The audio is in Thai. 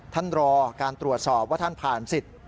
ท่านรอการตรวจสอบว่าท่านผ่านสิทธิ์